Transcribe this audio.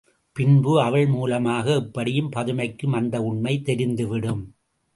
பின்பு அவள் மூலமாக எப்படியும் பதுமைக்கும் அந்த உண்மை தெரிந்துவிடும்.